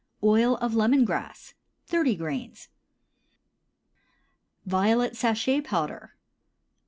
Oil of lemon grass 30 grains. VIOLET SACHET POWDER.